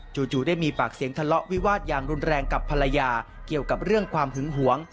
ได้มีปากเสียงทะเลาะวิวาสอย่างรุนแรงกับภรรยาเกี่ยวกับเรื่องความหึงหวง